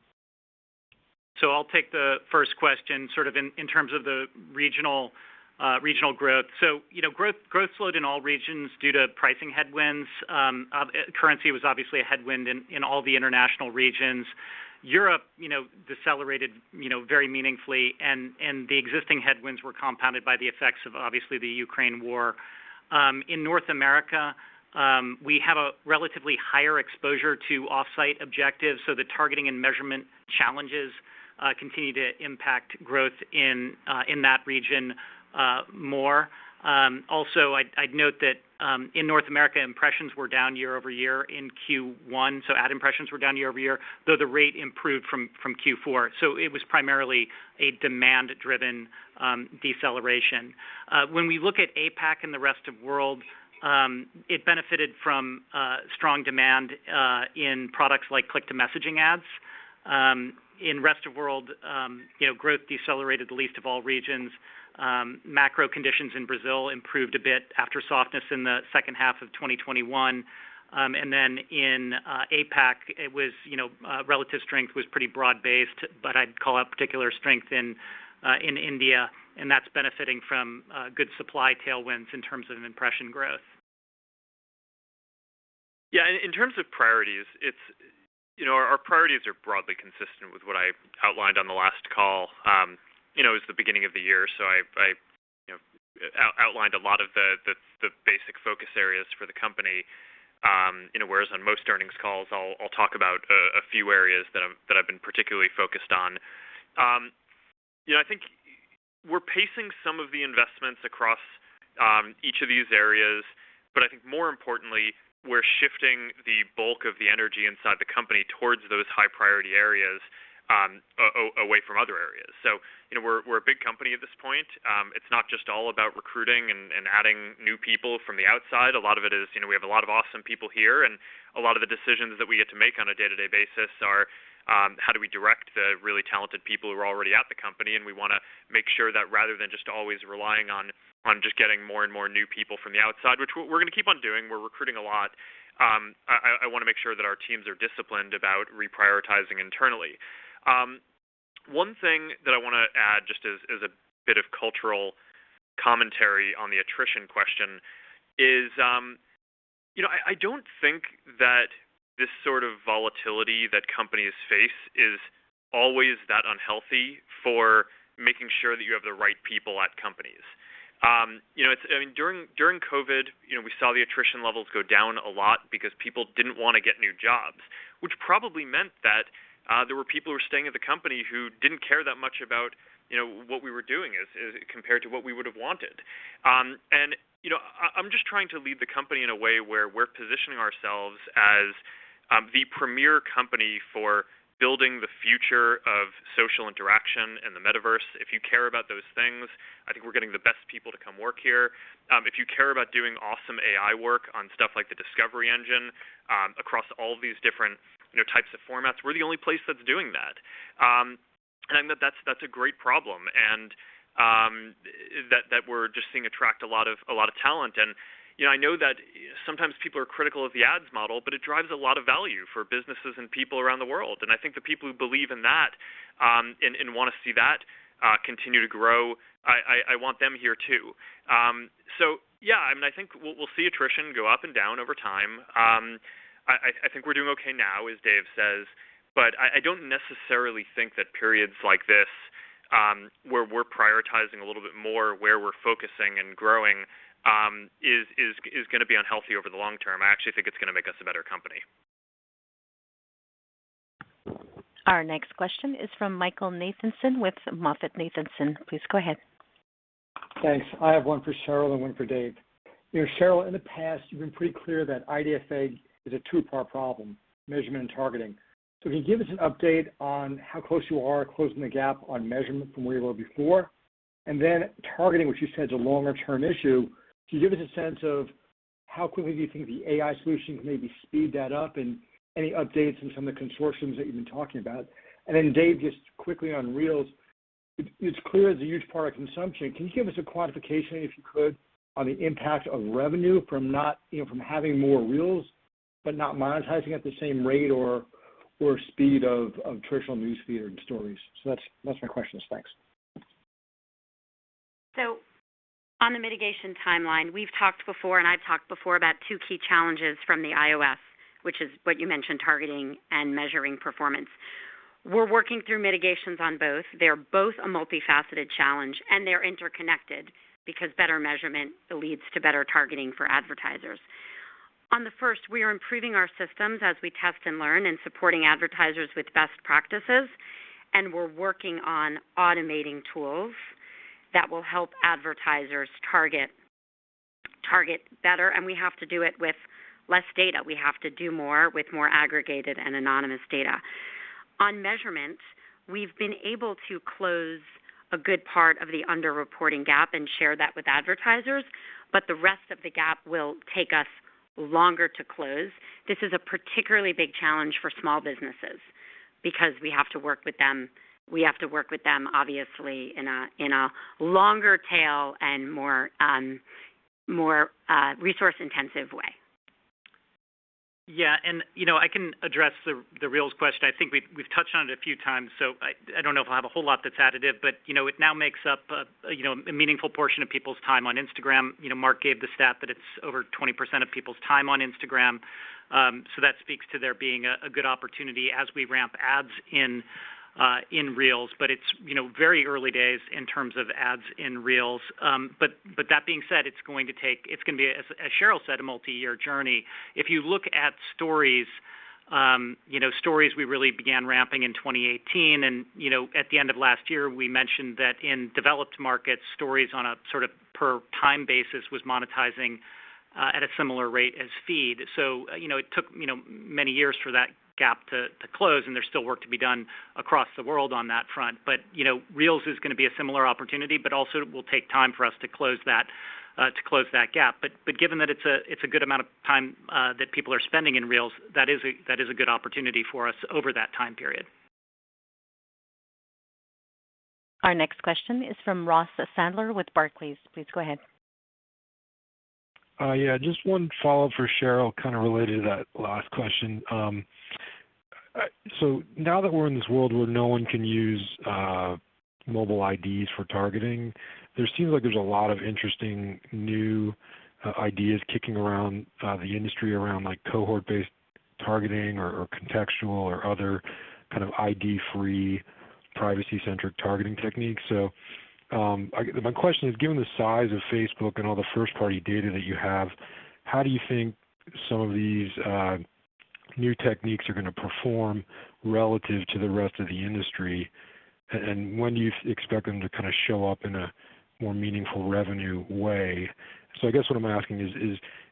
I'll take the first question, sort of in terms of the regional growth. Growth slowed in all regions due to pricing headwinds. Currency was obviously a headwind in all the international regions. Europe decelerated very meaningfully, and the existing headwinds were compounded by the effects of obviously the Ukraine war. In North America, we have a relatively higher exposure to off-site objectives, so the targeting and measurement challenges continue to impact growth in that region more. Also, I'd note that in North America, impressions were down year-over-year in Q1. Ad impressions were down year-over-year, though the rate improved from Q4. It was primarily a demand-driven deceleration. When we look at APAC and the Rest of World, it benefited from strong demand in products like Click-to-Messaging ads. In Rest of World, you know, growth decelerated the least of all regions. Macro conditions in Brazil improved a bit after softness in the second half of 2021. In APAC, it was, you know, relative strength was pretty broad-based, but I'd call out particular strength in India, and that's benefiting from good supply tailwinds in terms of impression growth. Yeah, in terms of priorities, it's, you know, our priorities are broadly consistent with what I outlined on the last call. You know, it was the beginning of the year, so I, you know, outlined a lot of the basic focus areas for the company, you know, whereas on most earnings calls, I'll talk about a few areas that I've been particularly focused on. You know, I think we're pacing some of the investments across each of these areas, but I think more importantly, we're shifting the bulk of the energy inside the company towards those high-priority areas, away from other areas. You know, we're a big company at this point. It's not just all about recruiting and adding new people from the outside. A lot of it is, you know, we have a lot of awesome people here, and a lot of the decisions that we get to make on a day-to-day basis are how do we direct the really talented people who are already at the company? We wanna make sure that rather than just always relying on just getting more and more new people from the outside, which we're going to keep on doing, we're recruiting a lot. I wanna make sure that our teams are disciplined about reprioritizing internally. One thing that I wanna add just as a bit of cultural commentary on the attrition question is, you know, I don't think that this sort of volatility that companies face is always that unhealthy for making sure that you have the right people at companies. You know, I mean, during COVID, you know, we saw the attrition levels go down a lot because people didn't want to get new jobs, which probably meant that there were people who were staying at the company who didn't care that much about, you know, what we were doing as compared to what we would have wanted. You know, I'm just trying to lead the company in a way where we're positioning ourselves as the premier company for building the future of social interaction in the metaverse. If you care about those things, I think we're getting the best people to come work here. If you care about doing awesome AI work on stuff like the Discovery engine, across all these different, you know, types of formats, we're the only place that's doing that. That's a great problem that we're just seeing attract a lot of talent. You know, I know that sometimes people are critical of the ads model, but it drives a lot of value for businesses and people around the world. I think the people who believe in that and wanna see that continue to grow, I want them here too. Yeah, I mean, I think we'll see attrition go up and down over time. I think we're doing okay now, as Dave says, but I don't necessarily think that periods like this where we're prioritizing a little bit more, where we're focusing and growing is gonna be unhealthy over the long term. I actually think it's gonna make us a better company. Our next question is from Michael Nathanson with MoffettNathanson. Please go ahead. Thanks. I have one for Sheryl and one for Dave. You know, Sheryl, in the past, you've been pretty clear that IDFA is a two-part problem, measurement and targeting. Can you give us an update on how close you are closing the gap on measurement from where you were before? Then targeting, which you said is a longer-term issue, can you give us a sense of how quickly do you think the AI solution can maybe speed that up and any updates on some of the consortiums that you've been talking about? Then Dave, just quickly on Reels. It's clear it's a huge part of consumption. Can you give us a quantification, if you could, on the impact of revenue from not, you know, from having more Reels, but not monetizing at the same rate or speed of traditional News Feed and Stories? That's my questions. Thanks. On the mitigation timeline, we've talked before, and I've talked before about two key challenges from the iOS, which is what you mentioned, targeting and measuring performance. We're working through mitigations on both. They're both a multifaceted challenge, and they're interconnected because better measurement leads to better targeting for advertisers. On the first, we are improving our systems as we test and learn and supporting advertisers with best practices, and we're working on automating tools that will help advertisers target better, and we have to do it with less data. We have to do more with more aggregated and anonymous data. On measurement, we've been able to close a good part of the underreporting gap and share that with advertisers, but the rest of the gap will take us longer to close. This is a particularly big challenge for small businesses because we have to work with them obviously in a longer tail and more resource-intensive way. Yeah. You know, I can address the Reels question. I think we've touched on it a few times, so I don't know if I'll have a whole lot that's additive. You know, it now makes up a meaningful portion of people's time on Instagram. You know, Mark gave the stat that it's over 20% of people's time on Instagram, so that speaks to there being a good opportunity as we ramp ads in Reels. You know, it's very early days in terms of ads in Reels. That being said, it's going to take. It's gonna be, as Sheryl said, a multiyear journey. If you look at Stories, you know, Stories we really began ramping in 2018 and, you know, at the end of last year, we mentioned that in developed markets, Stories on a sort of per time basis was monetizing at a similar rate as Feed. You know, it took, you know, many years for that gap to close, and there's still work to be done across the world on that front. You know, Reels is gonna be a similar opportunity, but also it will take time for us to close that gap. Given that it's a good amount of time that people are spending in Reels, that is a good opportunity for us over that time period. Our next question is from Ross Sandler with Barclays. Please go ahead. Yeah. Just one follow-up for Sheryl, kind of related to that last question. So now that we're in this world where no one can use mobile IDs for targeting, there seems like there's a lot of interesting new ideas kicking around the industry around, like, cohort-based targeting or contextual or other kind of ID-free privacy-centric targeting techniques. So my question is, given the size of Facebook and all the first-party data that you have, how do you think some of these new techniques are gonna perform relative to the rest of the industry? And when do you expect them to kind of show up in a more meaningful revenue way? I guess what I'm asking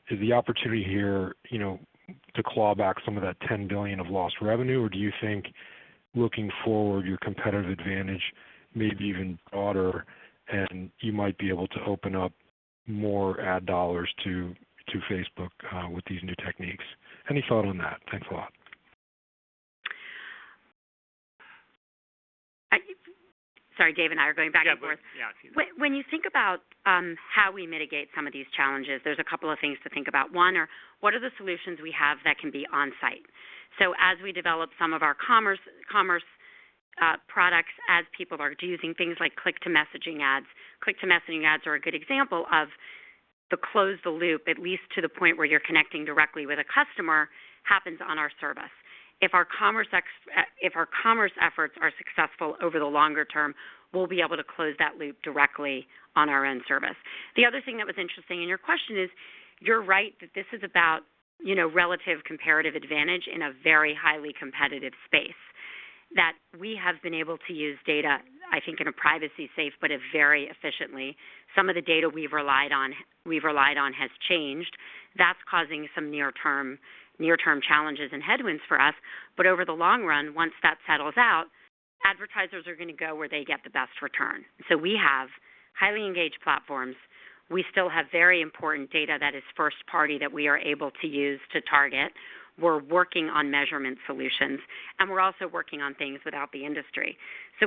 is the opportunity here, you know, to claw back some of that $10 billion of lost revenue, or do you think looking forward, your competitive advantage may be even broader, and you might be able to open up more ad dollars to Facebook with these new techniques? Any thought on that? Thanks a lot. Sorry, Dave and I are going back and forth. Yeah. When you think about how we mitigate some of these challenges, there's a couple of things to think about. One, what are the solutions we have that can be on-site? As we develop some of our commerce products, as people are using things like click-to-Messenger ads, click-to-Messenger ads are a good example of closing the loop, at least to the point where you're connecting directly with a customer, happens on our service. If our commerce efforts are successful over the longer term, we'll be able to close that loop directly on our own service. The other thing that was interesting in your question is, you're right that this is about, you know, relative comparative advantage in a very highly competitive space, that we have been able to use data, I think in a privacy-safe but a very efficiently. Some of the data we've relied on has changed. That's causing some near-term challenges and headwinds for us. Over the long run, once that settles out, advertisers are gonna go where they get the best return. We have highly engaged platforms. We still have very important data that is first party that we are able to use to target. We're working on measurement solutions, and we're also working on things with the industry.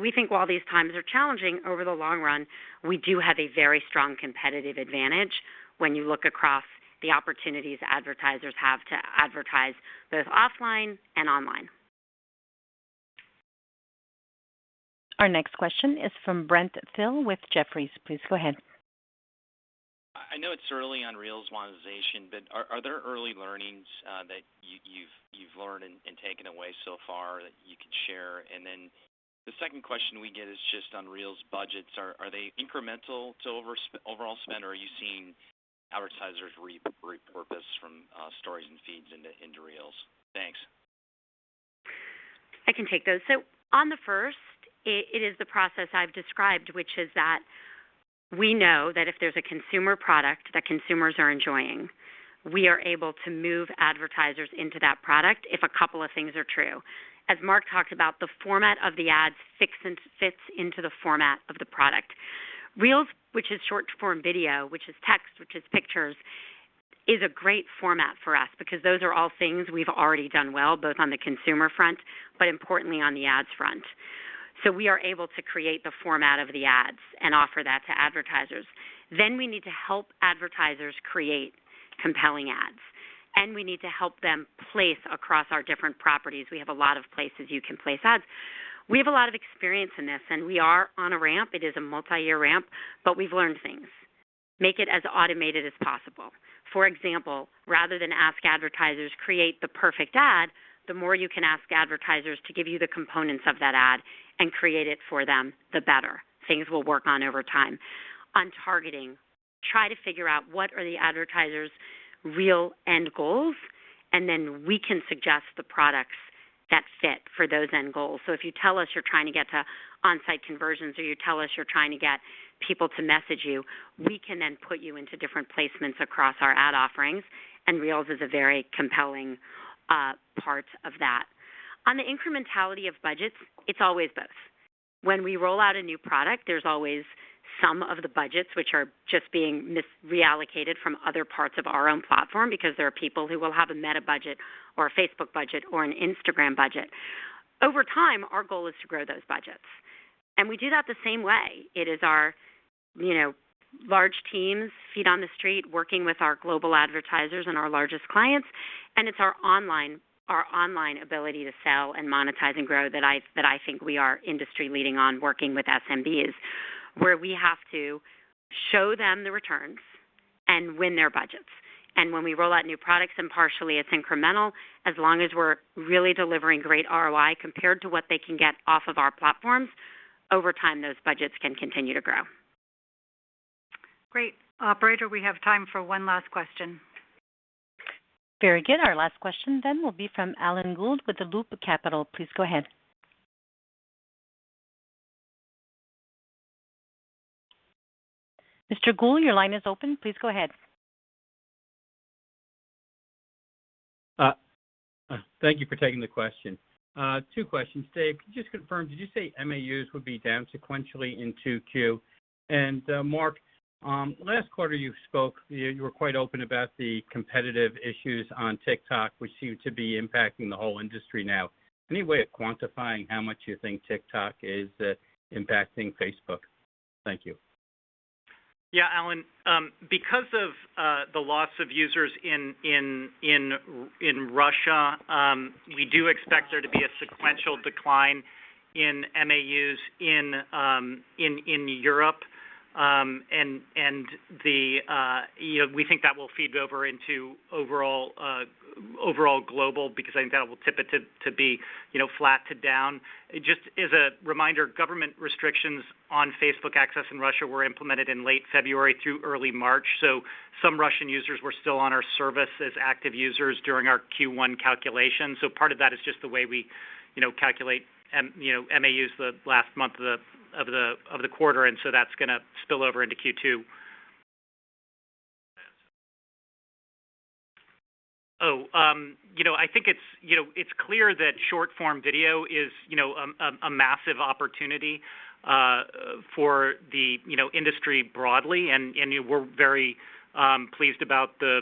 We think while these times are challenging, over the long run, we do have a very strong competitive advantage when you look across the opportunities advertisers have to advertise both offline and online. Our next question is from Brent Thill with Jefferies. Please go ahead. I know it's early on Reels monetization, but are there early learnings that you've learned and taken away so far that you could share? The second question we get is just on Reels budgets. Are they incremental to overall spend, or are you seeing advertisers repurpose from Stories and Feeds into Reels? Thanks. I can take those. On the first, it is the process I've described, which is that we know that if there's a consumer product that consumers are enjoying, we are able to move advertisers into that product if a couple of things are true. As Mark talked about, the format of the ads fits into the format of the product. Reels, which is short-form video, which is text, which is pictures, is a great format for us because those are all things we've already done well, both on the consumer front, but importantly on the ads front. We are able to create the format of the ads and offer that to advertisers. We need to help advertisers create compelling ads, and we need to help them place across our different properties. We have a lot of places you can place ads. We have a lot of experience in this, and we are on a ramp. It is a multi-year ramp, but we've learned things. Make it as automated as possible. For example, rather than ask advertisers create the perfect ad, the more you can ask advertisers to give you the components of that ad and create it for them, the better. Things we'll work on over time. On targeting, try to figure out what are the advertisers' real end goals, and then we can suggest the products that fit for those end goals. If you tell us you're trying to get to on-site conversions, or you tell us you're trying to get people to message you, we can then put you into different placements across our ad offerings, and Reels is a very compelling part of that. On the incrementality of budgets, it's always both. When we roll out a new product, there's always some of the budgets which are just being reallocated from other parts of our own platform because there are people who will have a Meta budget or a Facebook budget or an Instagram budget. Over time, our goal is to grow those budgets. We do that the same way. It is our, you know, large teams, feet on the street, working with our global advertisers and our largest clients, and it's our online ability to sell and monetize and grow that I think we are industry-leading on working with SMBs, where we have to show them the returns and win their budgets. When we roll out new products, and partially it's incremental, as long as we're really delivering great ROI compared to what they can get off of our platforms, over time, those budgets can continue to grow. Great. Operator, we have time for one last question. Very good. Our last question then will be from Alan Gould with Loop Capital Markets. Please go ahead. Mr. Gould, your line is open. Please go ahead. Thank you for taking the question. Two questions. Dave, could you just confirm, did you say MAUs would be down sequentially in 2Q? Mark, last quarter you spoke, you were quite open about the competitive issues on TikTok, which seem to be impacting the whole industry now. Any way of quantifying how much you think TikTok is impacting Facebook? Thank you. Yeah, Alan, because of the loss of users in Russia, we do expect there to be a sequential decline in MAUs in Europe, and the, you know, we think that will feed over into overall global because I think that will tip it to be, you know, flat to down. Just as a reminder, government restrictions on Facebook access in Russia were implemented in late February through early March, so some Russian users were still on our service as active users during our Q1 calculations. Part of that is just the way we, you know, calculate MAUs the last month of the quarter, and so that's gonna spill over into Q2. Oh, you know, I think it's clear that short-form video is a massive opportunity for the industry broadly and we're very pleased about the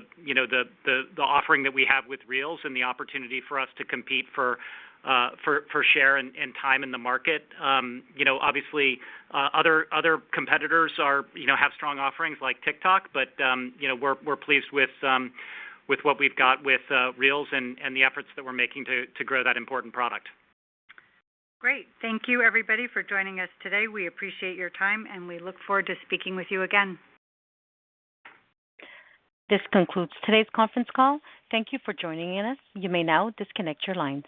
offering that we have with Reels and the opportunity for us to compete for share and time in the market. You know, obviously, other competitors have strong offerings like TikTok, but you know, we're pleased with what we've got with Reels and the efforts that we're making to grow that important product. Great. Thank you everybody for joining us today. We appreciate your time, and we look forward to speaking with you again. This concludes today's conference call. Thank you for joining us. You may now disconnect your lines.